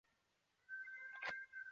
黄初元年改为太常。